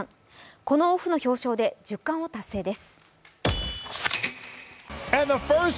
このオフの表彰で１０冠を達成です。